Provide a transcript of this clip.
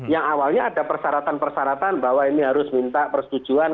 yang awalnya ada persyaratan persyaratan bahwa ini harus minta persetujuan